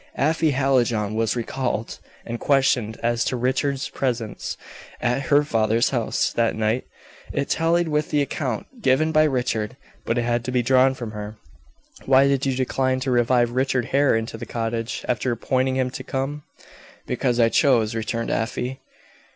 Afy Hallijohn was recalled, and questioned as to Richard's presence at her father's house that night. It tallied with the account given by Richard; but it had to be drawn from her. "Why did you decline to receive Richard Hare into the cottage, after appointing him to come?" "Because I chose," returned Afy.